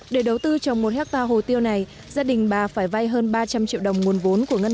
để đầu tư trồng một hectare hồ tiêu này gia đình bà phải vay hơn ba trăm linh triệu đồng nguồn vốn của ngân